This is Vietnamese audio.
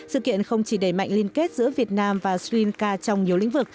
sự kiện không chỉ đẩy mạnh liên kết giữa việt nam và sri lanka trong nhiều lĩnh vực